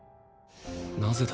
なぜだ？